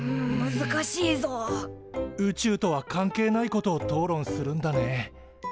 宇宙とは関係ないことを討論するんだね。